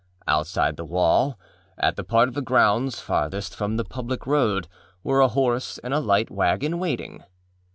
Outside the wall, at the part of the grounds farthest from the public road, were a horse and a light wagon, waiting.